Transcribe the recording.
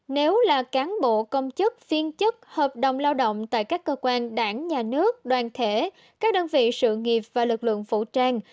nếu là cán bộ công chức viên chức hợp đồng lao động tại các cơ quan đảng nhà nước đoàn thể các đơn vị sự nghiệp và lực lượng vũ trang